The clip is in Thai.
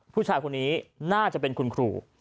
ผู้ชายคนนี้น่าจะเป็นคุณครู